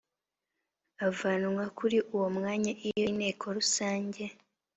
avanwa kuri uwo mwanya iyo inteko rusange